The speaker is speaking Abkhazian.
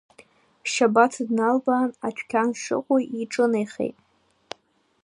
Шьабаҭ дналбаан, адәқьан шыҟоу иҿынеихеит.